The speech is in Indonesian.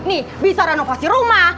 nih bisa renovasi rumah